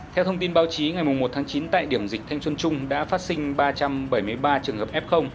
theo thông tin báo chí ngày một tháng chín tại điểm dịch thanh xuân trung đã phát sinh ba trăm bảy mươi ba trường hợp f